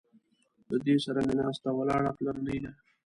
له ده سره مې ناسته ولاړه پلرنۍ ده.